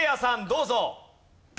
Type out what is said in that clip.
どうぞ。